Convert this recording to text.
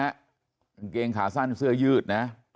กางเกงขาสั้นเสื้อยืดนะ